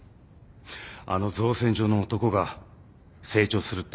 あの造船所の男が成長するって？